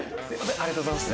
ありがとうございます。